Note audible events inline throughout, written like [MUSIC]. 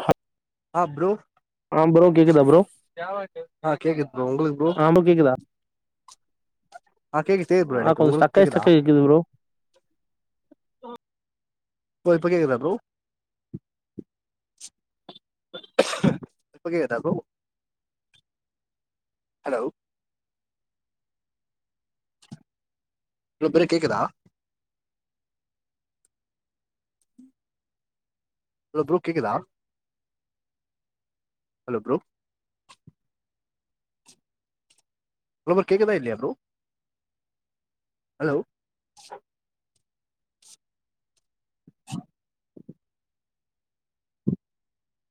அஹா ஆ ப்ரோ ஆ ப்ரோ கேக்குதா ப்ரோ ஆ கேக்குது ப்ரோ உங்களுக்கு ப்ரோ இப்போ கேட்குதா ஆ கேக்குது கேக்குது ப்ரோ ஆ எனக்கு கொஞ்சோ உங்களுக்கு ஸ்டக்காய் கேக்குதா ஸ்டக்காய் கேட்குது ப்ரோ ப்ரோ இப்ப கேட்குதா ப்ரோ இப்ப கேட்குதா ப்ரோ ஹலோ ப்ரோ இப்பதே கேக்குதா ஹலோ ப்ரோ கேக்குதா ஹலோ ப்ரோ ப்ரோ கேக்குதா இல்லையா ப்ரோ ஹலோ [INAUDIBLE]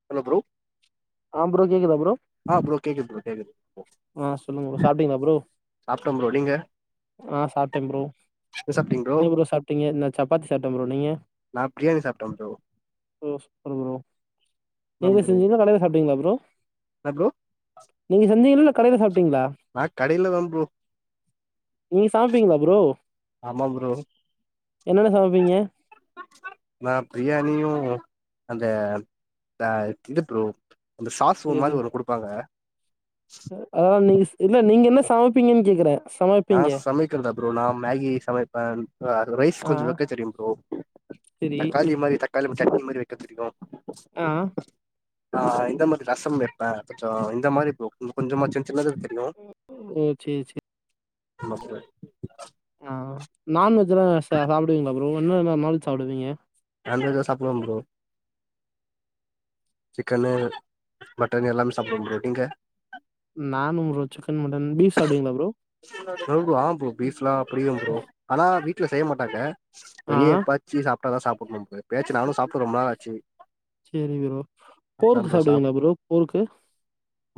ஹலோ ப்ரோ ஆ ப்ரோ கேக்குத ப்ரோ ஆ ப்ரோ கேக்குது ப்ரோ கேக்குது ஓ ஆ சொல்லுங்க ப்ரோ ம் சாப்ட்டீங்களா ப்ரோ சாப்ட்டே ப்ரோ நீங்க ஆ சாப்ட்டே ப்ரோ என்ன சாப்ட்டீங்க என்ன ப்ரோ சாப்பிட்டீங்க நா சப்பாத்தி சாப்ட்டேன் ப்ரோ நீங்க நா பிரியாணி சாப்ட்டே ப்ரோ ஓ சூப்பர் ப்ரோ நீங்களே செஞ்சீங்கல கடையில சாப்ட்டீங்களா ப்ரோ என்னா ப்ரோ நீங்க செஞ்சிங்கள இல்ல கடையில சாப்ட்டீங்களா நா கடையல தா ப்ரோ நீங்க சமப்பீங்களா ப்ரோ ஆமா ப்ரோ என்னன்ன சமப்பீங்க நா பிரியாணியு அந்த த இது ப்ரோ அந்த சாக்சு ஒரு மாரி ஒண்ணு குடுப்பாங்க ஸ் ஆ இது நீங்க என்ன சமப்பீங்கன்னு கேக்கறே நா சமைக்கறதா ப்ரோ நா மேகி சமைப்பே அ ரைஸ் ஆ கொஞ்சோ வைக்க தெரியு ப்ரோ செரி தக்காளி மாரி தக்காளி சட்னி மாரி வைக்க தெரியு ஆ அ ஆ இந்த மாதிரி ரசோம் வெப்பே கொஞ்சோ இந்த மாரி ப்ரோ ம் கொஞ்சமா சின் சின்னது தெரியு எ சேர் செரி ம [INAUDIBLE] ஆ நான்வெஜ்ல ச சாப்டுவிங்களா ப்ரோ என்னன்ன நான்வெஜ் சாப்டுவீங்க நான்வெஜ்லா சாப்புடுவே ப்ரோ சிக்கனு மட்டனு எல்லா சாப்டுவே ப்ரோ நீங்க நானும் ப்ரோ சிக்கன் மட்டன் பீஃப் சாப்டுவிங்கள ப்ரோ ம் ப்ரோ ஆ ப்ரோ ஃப்லா புடிக்கும் ப்ரோ ஆனா வீட்ல செய்ய மாட்டாங்க ஆ வெளியே எப்பாச்சு சாப்ட்டாதா சாப்புண்ணு [UNINTELLIGIBLE] எப்பயாச்சு நானு சாப்ட்டு ரொம்ப்நாள் ஆச்சு செரி ப்ரோ அதா போருக்கு ப்ரோ சாப் சாப்டுவிங்களா ப்ரோ போருக்கு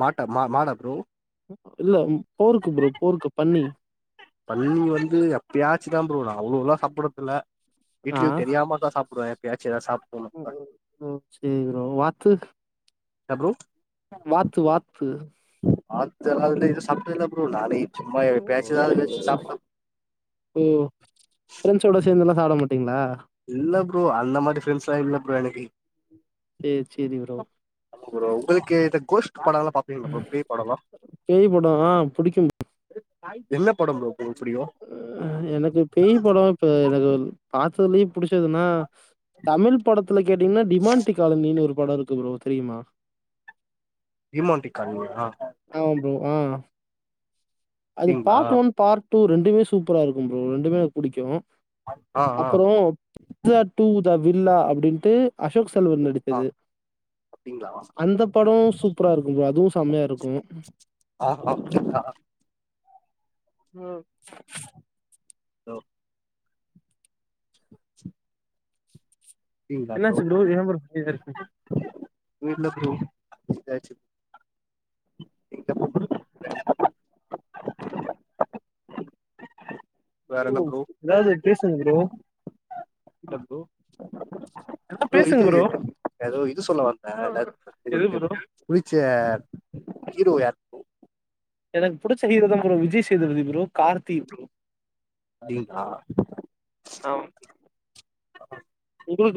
மாட்ட மா மாடா ப்ரோ ம் இல்ல போருக்கு ப்ரோ போருக்கு பன்னி பன்னி வந்து எப்பயாச்சு தா ப்ரோ அவ்ளோலலா சாப்பிட்றத்துல்ல ஆ வீட்லியு தெரியாமதா சாப்டுவே எப்பயாச்சு எதா சாப் [UNINTELLIGIBLE] செரி ப்ரோ வாத்து ன்ன ப்ரோ வாத்து வாத்து வாத்து எல்லா [UNINTELLIGIBLE] சாப்டதில்ல ப்ரோ நானே சும்மா ம், எப்பயாச்சுது [UNINTELLIGIBLE] ஓ ஃப்ரெண்ஸோட சேந்துல்லா சாப்டமாட்டீங்ளா இல்ல ப்ரோ அந்த மாரி ஃப்ரெண்ஸ்ல இல்ல ப்ரோ எனக்கு சேர் சேரி ப்ரோ ஆமா ப்ரோ உங்களுக்கு இந்த கோஸ்ட் பட லா பாப் பேய் படோலா புடிக்கு என்ன படம் ப்ரோ உங்ளுக் புடிக்கு ம் எனக்கு பேய் படோ இப்ப எனக்கு பாத்தலயே புடிச்சதுன்னா தமிழ் படத்துல கேட்டீங்ன்னா டிமாண்டி காலனினு ஒரு படோ இருக்கு ப்ரோ தெரியுமா டீமாண்டி கால்னியா ஆமா ப்ரோ ஆ அது அப்டிங்களா பாட் ஒன் பார்ட் டூ ரெண்டுமே சூப்பரா இருக்கும் ப்ரோ ரெண்டுமே எனக் புடிக்கு ஆ ஆ அப்பறோ [UNINTELLIGIBLE] டு த வில்லா அப்டின்ட்டு அசோக் செல்வன் ஆ நடித்தது அப்டிங்களா அந்த படோ சூப்பரா இருக்கு ப்ரோ அதுவு சம்மையா இருக்கு ஆ [INAUDIBLE] ம் ஓ க்கீங்ளா ப்ரோ என்னாச்சு ஏன் ப்ரோ அமைதியா இருக்கீங்க? [UNINTELLIGIBLE] வேற ப்ரோ என்ன எதாவ்து பேசுங்க ப்ரோ ப்ரோ ஏதா ப்ரோ பேசுங்க இது எதோ இது சொல்ல வந்த இன்னாத் [UNINTELLIGIBLE] எது உங்களுக்கு ப்ரோ? புடிச்ச ஹீரோ யார் எனக் புடிச்ச ஹீரோதா ப்ரோ ஒரு விஜய் சேதுபதி ப்ரோ கார்த்தி ப்ரோ அப்டிங்களா ஆம்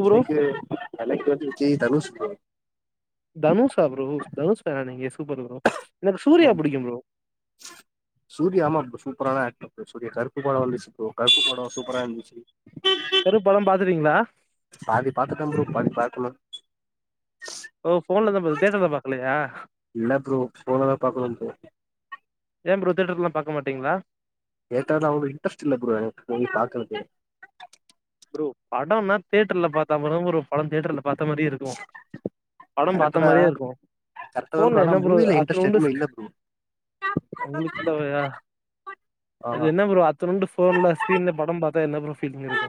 எனக்கு எனக் வந்து விஜய் தனுஷ் ப்ரோ தனுஷா ப்ரோ தனுஷா ஃபேனா நீங்க சூப்பர் ப்ரோ எனக்கு சூர்யா ஆமா புடிக்கு ப்ரோ சூர்யா ஆமா ப்ரோ சூப்பர்தா ஆக்ட் பண்றாரு சூரியா கருப்பு படோ வந்துச்சி ப்ரோ கருப்பு படோ சூப்பரா இந்துச்சு கருப்படம் பாத்துட்டீங்ளா பாதி பாத்துட்டேன் ப்ரோ பாதி பாக்கணு ஓ ஃபோன்லதா பாத் தேட்டர்ல பாக்கலயா இல்ல ப்ரோ ஃபோன்லதா பாக்கணு ப்ரோ ஏன் பரோ தேட்டர்ல்லா பாக்க மாட்டீங்ளா தேட்டர்ல அவ்ளோ இன்ட்ரெஸ்ட் இல்ல பரோ எனக் போயி பாக்கற்துக்கு ப்ரோ படோன்னா தேட்டர்ல பாத்தா அப்பதா ப்ரோ படோ தேட்டர்ல பாத்த மாரி இருக்கு படோ கரெக்ட் பாத்த தா மாத்ரியே இருக்கு கரெக்ட் தா போன்ல ஆனா என்ன ப்ரோ மூவில இன்ட்ரெஸ்ட் அத்னுன்டு எதுமே இல்ல ப்ரோ அவுங்களுக்கில்லவையா அது ஆ என்ன ப்‌ரோ அதனுன்டு ஃபோன்ல ஸ்கிரீன்ல படம் பாத்தா என்ன ப்ரோ ஃபீலிங் இருக்கு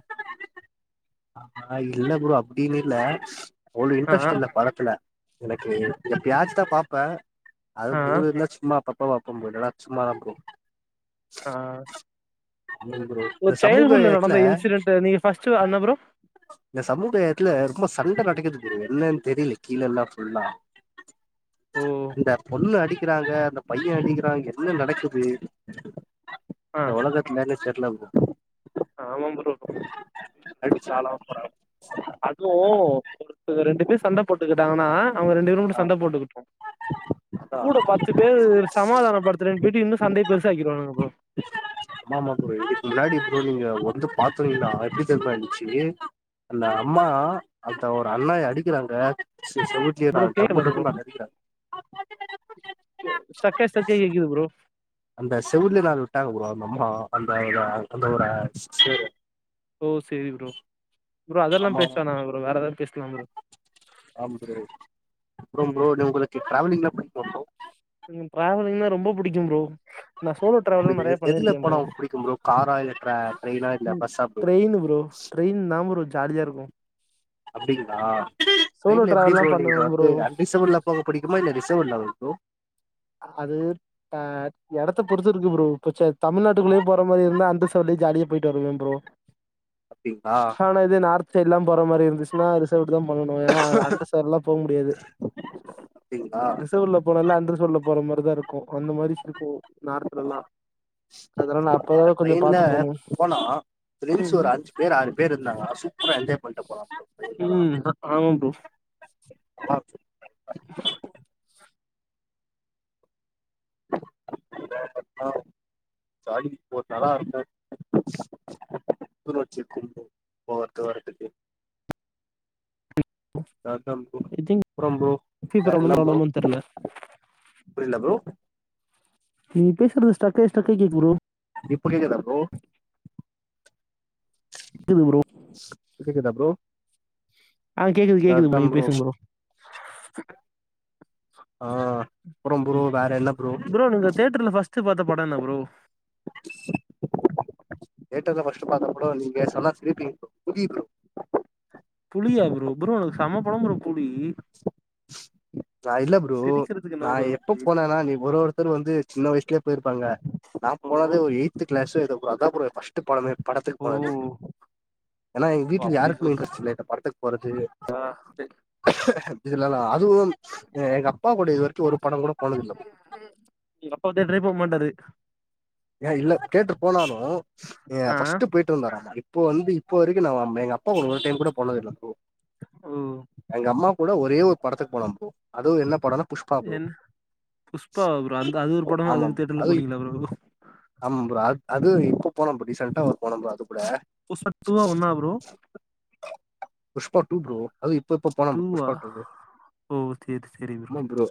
ஆ இல்ல ப்ரோ அப்டின்னு இல்ல ஒரு ஆ இன்ட்ரெஸ்ட் இல்ல படத்துல எனக்கு எப்பயாச்சி தா பாப்பே அது ஆ மூடு இருந்தா சும்மா அப்பாவு அப்பம் போய்ட்டறா சும்மா தான் ப்ரோ ஆ நில்லுங்க ப்ரோ உங்க இந்த சைல்டுஹுட்ல சமூகத்துல நடந்த இன்சிடெண்ட் நீங்க ஃபஸ்ட் அன்னா ப்ரோ இந்த சமுதாயத்துல ரொம்ப சண்ட நடக்குது என்னன்னு தெரில கீழே எல்லா ஃபுல்லா ஓ அந்த பொண்ண அடிக்கிறாக அந்த பையே அடிக்கிறா என்ன நடக்குது ஆ இந்த ஒலகத்துலன்னு தெரில ப்ரோ ஆமா ப்ரோ பூச்சி அடிச்சு காலோ அதுவு ஒருத்தக ரெண்டு பேர் சண்ட போட்டுக்கிட்டாங்கன்னா அவங்க ரெண்டு பேரு னுடு ஆ சண்ட போட்டுக்கிட்டு அதா கூட பத்து பேர் சமாதான படுத்றேன்னு பேயிட்டு இன்னும் சண்டய பெருசா ஆக்கிருவானுங்க போல ஆமா மாமா ப்ரோ இதுக்கு முன்னாடி ப்ரோ நீங்க வந்து பாத்தீங்கனா எப்டி தெர்மா ஆய்டிச்சி அந்த அம்மா அந்த ஒரு அண்ணைய அடிக்கிறாங்க செ செவுட் ப்ரோ கேக்கல ப்ரோ ஸ்ட்ரக் ஸட்ரகாயி கேகுது ப்ரோ அந்த செவ்வுள்ளே நாலு விட்டாங்க ப்ரோ அந்த அம்மா அந்த அவ்ர அந்த அவ்ர சேரு ஓ சேரி ப்ரோ ப்ரோ அதெல்லாம் அம்மா பேசுவேணா ப்ரோ வேற எதாவ்து பேசலா ப்ரோ ஆம் ப்ரோ ப்ரோ ம் ப்ரோ உங்களுக்கு டிராவலிங்னா புடிக்குமா பரோ கொஞ்சோ ட்ரவலிங்னா ரொம்ப புடிக்கு ப்ரோ நா சோலோ டிராவல்லா நெறைய எதுல பண்ணிருக்கே போனா ப்ரோ புடிக்கும் ப்ரோ காரா இல்ல ட்ரெய்னா இல்ல ம் பஸ்சா ட்ரெயினு ப்ரோ ட்ரயின் தா ப்ரோ ஜாலியாருக்கும் அப்டிங்களா சோலோ ட்ரெயின்ல எப்டி டிராவல்லா ப்ரோ நீங்க பண்ணுவே ப்ரோ வந்து அன்ரிசர்வ்ல போக புடிக்குமா இல்ல ரிசர்வ்டு ல்லா பரோ அது ஆ எடத்த பொறுத்து இருக்கு ப்ரோ பச்ச தமிழ்நாட்டுக்குள்ளயே போற மாரி இருந்தா அன்ரிசர்வ்டுலியே ஜாலியா போயிட்டு வருவே ப்ரோ அப்டிங்களா ஆனா இதே நார்த் சைட் லா போற மாரி இருந்துச் சின்னா ரிசர்வ்டு தா பண்ணணு ஏன்னா அன்ரிசர்வ்டுலா போ முடியாது அப்டிங்களா ரிசர்வ்டுல போலான்னா அன்ரிசவ்டுல போற மாரிதா இருக்கு அந்த மாரி இருக்கு நார்த்லெல்லா அதெலா நா ஆ அப்பவே கொஞ்சோ ட்ரெயின்ல பாத்து போணு ம் பேரு ஆறு பேரு இருந்தாங்கன்னா சூப்பரா என்ஜாய் பண்ட்டு போலா ப்ரோ ட்ரெயின்லலா ம் ஆமா ப்ரோ ஆ [INAUDIBLE] [INAUDIBLE] சாகி போட்டா தா இருக்கு [UNINTELLIGIBLE] வச்சு போர்த்துக்கு வரத்துக்கு அப்றோம் ஐ திங்க் ப்ரோ வேற என்ன ப்ரோ ப்ராப்ளமா தெர்ல புரில ப்ரோ நீங் பேசுறது ஸ்டக்காயி ஸ்டக்காயி கேக்து ப்ரோ இப்ப கேக்தா ப்ரோ கிது ப்ரோ கேக்குதா ப்ரோ ஆ கேக்குது கேக்குது ப்ரோ நீங் பேசுங் ப்ரோ ஆ அப்றோ ப்ரோ வேற என்ன ப்ரோ நீங்க தியேட்டர்ல ஃபஸ்ட் பாத்த பட என்ன ப்ரோ தேட்டர்ல ஃபஸ்ட்டு பாத்த படோ நீங்க சொன்னா சிரிப்பீங் ப்ரோ புலி ப்ரோ புலியா ப்ரோ ப்ரோ அது செம படோ ப்ரோ புலி நா இல்ல ப்ரோ சிரிக்கிறதுக்கு என்ன நா ப்ரோ எப்ப இருக்கு போனேனா நீ ஒரு ஒருத்தர் வந்து சின்ன வயஸ்ல போயிருப்பாங்க நா ஓ போனதே ஒரு எயித் க்ளாஸ் எதோ ப்ரோ அதா ப்ரோ எ ஃபஸ்ட் டு படமே படத்துக் ஓ போனது ஏனா எங்க ஓ, வீட்ல யார்க்குமே இன்ட்ரெஸ்ட் இல்ல இந்த படத்துக் போறது ஆ இதுனால அதுவு எ எங்க அப்பா கூட இது வரைக்கு ஒரு படங்கூட போணதில்ல ப்ரோ எங்கப்பா தேட்டரே போமாட்டாரு ஏ இல்ல கேட்டு போனாலு அ ஆ ஃபஸ்ட்டு போய் ட்டு வந்தாராமா இப்போ வந்து இப்ப வரைக்கு நா எங்க அப்பா கூட ஒரு டைம் கூட போனதில்ல ப்ரோ ஓ எங்க அம்மா கூட ஒரே ஒரு படத்துக்கு போனோ ப்ரோ அது என்ன படன்னா புஷ்பா ப்ரோ என்ன புஷ்பா ஆமா அது என்ன ப்ரோ ஆமாம் ப்ரோ அத் அது இப்போ போன இப்ப டிசெண்டா ஒரு போனோ ப்ரோ அது கூட புஸ்பா டூவா ஒன்னா ப்ரோ புஷ்பா டூ ப்ரோ அது இப்பப்ப போன ப்ரோ டூவா புஷ்பா டூவு ஓ சரி சரி ஆமாம் ப்ரோ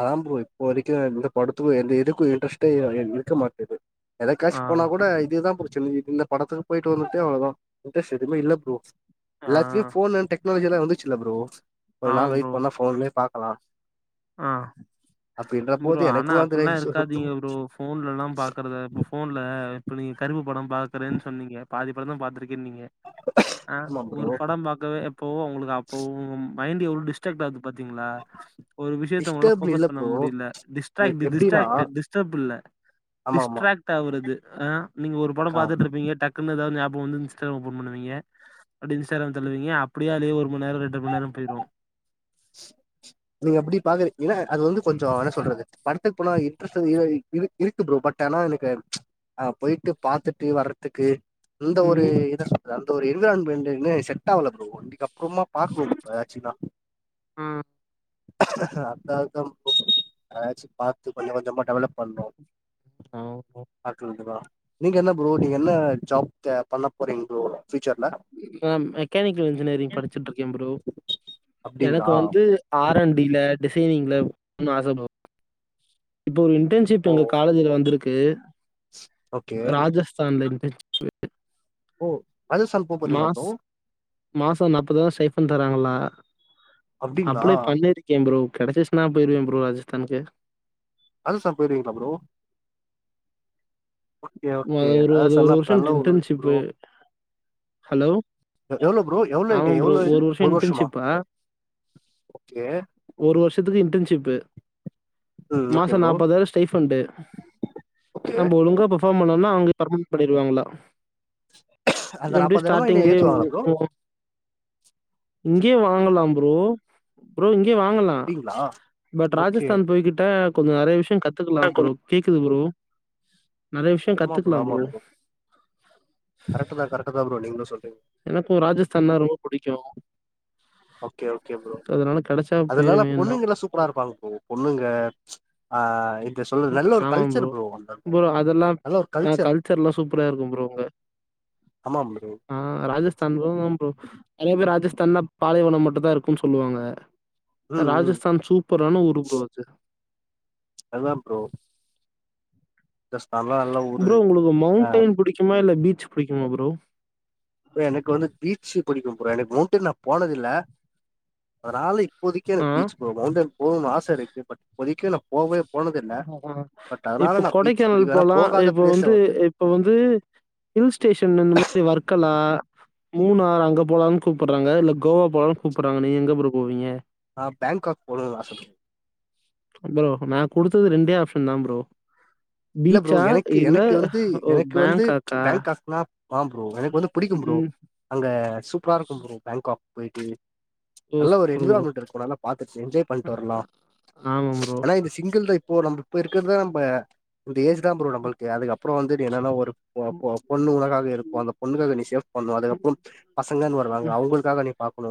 ஆ ப்ரோ இப்போ வரைக்கு எந்த படத்துக்கு எந்த இதுக்கு இன்ட்ரெஸ்ட்டே எ இருக்க மாட்டுது எதக்காச்சு ஆ போனா கூட இதுதா புடிச்சு என்ன இழுக்கு இந்த படத்துக்கு போயிட்டு வந்துட்டா அவ்ளதா இன்ரஸ்ட் எதுமே இல்ல ப்ரோ ஆ எல்லாத்லியு ஃபோன் அண் டெனாலஜிலா வந்துச்சில ப்ரோ கொஞ்ச நாள் ஆமாம் வெயிட் ப்ரோ பண்ணா ஃபோன்லே பாக் லா ஆ அப்டின்றபோது எனக்கு வந்து [UNINTELLIGIBLE] சுத்தமா இப்போ ஃபோன்ல எல்லா பாக்குறத இப்ப ஃபோன்ல இப்ப நீங்க கருப்பு படம் பா க்கறேன் சொன்னீங்க பாதி படந்தா பாத்துருக்கேனீங்க ஆ ஆமா ப்ரோ ஒரு படம் பா க்கவே இப்போ உங்களுக்கு அப்போ உங்க மைண்ட் எவ்ளோ டிஸ்ட்டாக்ட் ஆகுது பாத்தீங்ளா ஒரு விஷயத்த உங்கள டிஸ்டர்ப் போக்கஸ் இல்ல பண்ண ப்ரோ முடில டிஸ்டாக் திது எப்டின்னா டிஸ்டாக்ட் டிஸ்டபில்ல ஆமா ஆமா டிஸ்ட்ராக்ட் ஆவுறது அ நீங்க ஒரு படம் கா பாத்துட்டு இருப்பீங்க டக் குனு எதாவ்து ஞாபகோ வந்து இன்ஸ்டா ஓபன் பண்ணுவீங்க அப்டியே இன்ஸ்டகிராம் தள்ளுவீங்க அப்டியே அதுலியே ஒரு மண்நேரோ ரெண்டுமண் நேரோ போய்ரு நீங்க அப்டி பாக்குறீ இல்ல அது வந்து கொஞ் சோ அவ என்ன சொல்றது படத்துக்கு போனா இன்ட்ரெஸ்ட் இற இரு இருக்கு ப்ரோ பட் ஆனா எனக்கு ஆ போயிட்டு பாத்துட்டு வரதுக்கு அந்த ஒரு ம் இத சொல்ற அந்த ஒரு என்விரான்மெண்டு இன்னு செட்டாகல ப்ரோ [UNINTELLIGIBLE] அப்றம [UNINTELLIGIBLE] ஏக்சுலா ம் அதா அதா ப்ரோ எதாச்சு பாத்து கொஞ்ச கொஞ்சமா டெவலப் பண்ணு ஆமா ப்ரோ பாக்கணுன்டு தா நீங்க என்ன ப்ரோ நீங்க என்ன ஜாப் தே பண்ண போறீங் ப்ரோ ஃபியூச்சர்ல நா மெக்கானிக்கல் இன்ஜினியரிங் படிச்சுட்டு இருக்கே ப்ரோ எனக்கு அப்டிங்களா வந்து ஆர் அன் டில டிசைனிங்ல [INAUDIBLE] ஆச ப்ரோ இப்போ இன்டர்ன்ஷிப்பு ஓ எங்க காலேஜல வந்துருக்கு ஓகே ராஜஸ்தான்ல இன்டர்ன்ஷிப்பு ஓ ராஜஸ்தான் போப்போறீங்ளா ப்ரோ மாசோ நாப்பதுருவா ஸ்டைப்பன் தராங்களா அப்டிங்களா அப்ளே பண்ணீருக் கே ப்ரோ கெடச்சிர்ஸ்ன்னா போய்ருவே ப்ரோ ராஜஸ்தான்க்கு ராஜஸ்தான் போய்ருவீங்ளா ப்ரோ ஓகே ப்ரோ ஓகே அது ஒரு அது ஒரு ராஜஸ்தான்லா வர்ஷோ நல்ல ஊரு ப்ரோ டின்டன்ஷிப்பு ஹலோ எ எவ்ளோ ப்ரோ எவ்ளோ ஐ டி ஆமாம் ப்ரோ. எவ்ளோ இது வருஷம் ஒரு வர்ஷமா இன்டர்ன்ஷிப்பா? ஓகே ஒரு வர்ஷத்துக்கு இன்டன்ஷிப்பு ம் ஓகே மாசோ ப்ரோ நாப்பதாய்ரோ ஸ்டே ஃபண்டு ஓகே நம்ப ஒழுங்கா பர் ஃபாம் பண்ணோனா அவுங்க பர்மெண்ட் பண்ணிருவாங்களா அந்த எப்டி நாப்பதாயிரமா இன்னு ஸ்டாட்டிங்லயே ஏத்துவாங்களா ப்ரோ ஒன்னு [INAUDIBLE] இங்கயு வாங்கலா ப்ரோ ப்ரோ இங்கயு வாங்கலா அப்டிங்களா அ பட் ஓகே ராஜஸ்தான் போய்கிட்ட கொஞ்ச நெறைய விஷ்யோ கத்துக்கலா ப்ரோ கேக்குது ப்ரோ நெறைய விஷயம் ஆமா ப்ரோ கத்துக்கலாம் ஆமா ப்ரோ கரெக்ட்டு தா கரெக்ட்டு தா ப்ரோ நீங்ளு சொல்றீங்க எனக்கு ராஜஸ்தான்னா ரொம்ப புடிக்கு ஓகே ஓகே ப்ரோ அதனால கெடைச்சா அது இல்லாம போயிருவேன் தான். பொண்ணுங்கல்லா சூப்பரா இருப்பாங் ப்ரோ பொண்ணுங்க ஆ என் ன சொல்றது நல்ல ஒரு கல்ச்சர் ப்ரோ அந்தாண்ட ப்ரோ அதெல்லாம் நல்ல ஒரு அ கல்ச்சர் கல்ச்சர்லாம் சூப்பரா இருக்கும் ப்ரோ அங்க. ஆமா ப்ரோ ஆ ராஜஸ்தான் [UNINTELLIGIBLE] ப்ரோ நெறைய பேர் ராஜஸ்தான்னா பாலைவனம் மட்டுந்தா இருக்குன் சொல்லுவாங்க ஆ ம் ம் ராஜஸ்தான் சூப்பரான ஊரு ப்ரோ அது அதா ப்ரோ ஜஸ்ட் நல்லா நல்ல ஒரு ப்ரோ உங்களுக்கு ஆ மௌண்டைன் புடிக்குமா இல்ல பீச் புடிக்குமா ப்ரோ ப்ரோ எனக் வந்து பீச்சு புடிக்கு ப்ரோ எனக் மௌண்டைன் நா போனதில்ல அதனால இப்போதிக்கு ஆ. எனக் பீச் ப்ரோ மௌண்டன் போணுன் ஆச இருக்கு பட் இப்போதிக்கு நா போவே போனதில்ல ஆஹா. பட் அதனால இப்போ நா பீச் புடிக்கு ஏனா போகாத ப்ளேஸ வந்து இப்ப வந்து ஹில்ஸ் ஸ்டேஷன்ல இந்த மாரி ஒர்க்கல்லா மூணார் அங்க போலான் கூப்பட்றாங்க இல்ல கோவா போலான் கூப்பட்றாங்க நீங்க எங்க ப்ரோ போவீங்க நா பேங்க்காக் போனுன் ஆசப்படுவே ப்ரோ நா குடுத்தது ரெண்டே ஆப்ஷன் தா ப்ரோ இல்ல ப்ரோ பீச்சா? எனக்கு இல்ல எனக்கு வந்து ஓ எனக்கு வந்து பேங்காக்கா? பேங்க்காக்னா ஆ ப்ரோ எனக் வந்து புடிக்கு ப்ரோ ம். அங்க சூப்பரா இருக்கு ப்ரோ பேங்க்காக் போய்ட்டு ஓ நல்ல ஒரு சூப்பர் ப்ரோ. என்விரான்மெண்ட் இருக்கு நல்லா பாத்துட் என்ஜாய் பண்ட்டு வரலா ஆமா ப்ரோ. ஆனா இது சிங்கிள் தா இப்போ நம்ம இப்ப இருக்கற்த் தா நம்ப இந்த ஏஜு தா ப்ரோ நம்பள்க்கு அதுக்கப்றோ வந்து நீ என்னனா ஒரு போ போ பொண்ணு உனக்காக இருக்கு அந்த பொண்ணுக்காக நீ சேவ் பண்ணு அதுக்கப்றோ பசங்கன் வருவாங்க அவங்கள்காக நீ பாக்கணு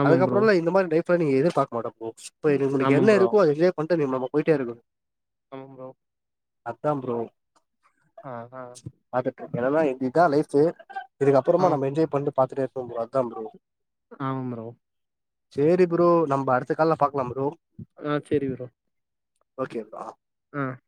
ஆமாம் ப்ரோ. அதுக்கப்றோல்லா இந்த மாரி லைஃப நீ எதிர்பாக்க மாட்ட ப்ரோ இப்ப எனக் உனக்கு ஆமாம் என்ன ப்ரோ. இருக்கோ அத என்ஜாய் பண்ட்டு நீ மாமா போய்ட்டே இருக்கணு ஆமா ப்ரோ அத்தா ப்ரோ ஆ ஆ பாத்துட்டு எதெல்லா என் இதா லைஃபு இதுக்கப்றமு ஆமாம் நம்ம என்ஜாய் பண்ட்டு பாத்துட்டே இருப்போ ப்ரோ அதா ப்ரோ ஆமா ப்ரோ சேரி ப்ரோ நம்ம அடுத்த கால்ல பாக்கலா ப்ரோ ஆ சரி ஓகே ப்ரோ ம்